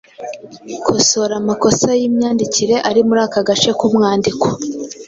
Kosora amakosa y’imyandikire ari muri aka gace k’umwandiko: